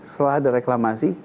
setelah ada reklamasi